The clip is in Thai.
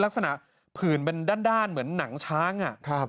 ผื่นเป็นด้านเหมือนหนังช้าง